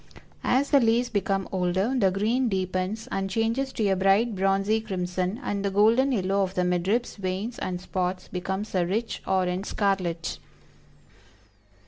As the leaves become older, the green deepens and changes to a bright bronzy crimson, and the golden yellow of the mid ribs, veins and spots becomes a rich orange scarlet."